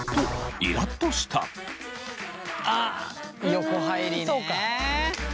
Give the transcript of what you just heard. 横入りね。